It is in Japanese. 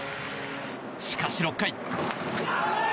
しかし６回。